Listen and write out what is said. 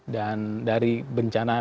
dan dari bencana susah